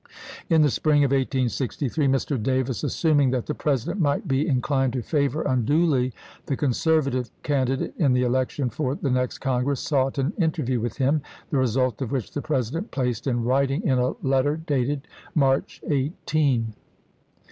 In the spring of 1863 Mr. Davis, assuming that the President might be in clined to favor unduly the conservative candidate in the election for the next Congress, sought an interview with him, the result of which the Presi dent placed in writing in a letter dated March 18 : 1863.